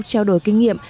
trao đổi kinh nghiệm